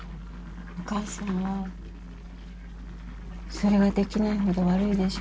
お母さんはそれができないほど悪いでしょ？